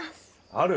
ある。